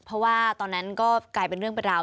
เพราะว่าตอนนั้นก็กลายเป็นเรื่องเป็นราว